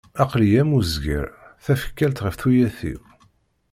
Aql-i am uzger, tafekkalt ɣef tuyat-iw.